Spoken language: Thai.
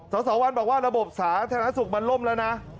สสวันบอกว่าระบบสาธารณสุขมันล่มแล้วนะ